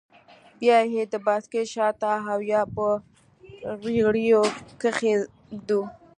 بيا يې د بايسېکل شاته او يا په رېړيو کښې ږدو.